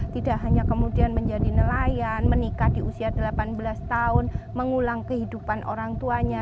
tidak hanya kemudian menjadi nelayan menikah di usia delapan belas tahun mengulang kehidupan orang tuanya